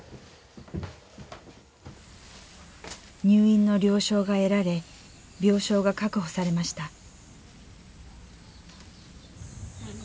入院の了承が得られ病床が確保されました。